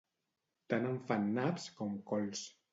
Tant em fan naps com cols.